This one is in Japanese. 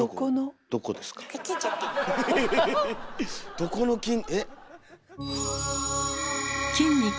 どこの筋え？